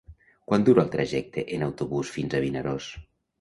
Quant dura el trajecte en autobús fins a Vinaròs?